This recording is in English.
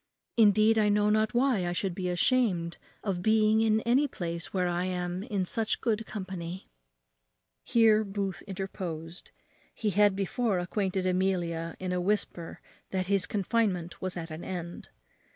Indeed, I know not why I should be much ashamed of being in any place where I am in such good company." Here Booth interposed. He had before acquainted Amelia in a whisper that his confinement was at an end.